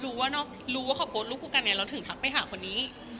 รู้ว่ารู้ว่าเขาโพสต์รูปคู่กันไงเราถึงทักไปหาคนนี้